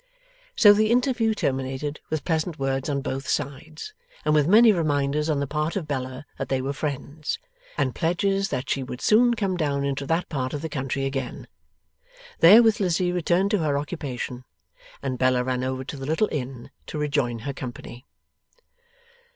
So the interview terminated with pleasant words on both sides, and with many reminders on the part of Bella that they were friends, and pledges that she would soon come down into that part of the country again. There with Lizzie returned to her occupation, and Bella ran over to the little inn to rejoin her company.